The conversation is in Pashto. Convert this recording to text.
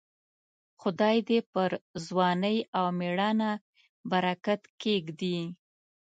خدای دې پر ځوانۍ او مړانه برکت کښېږدي.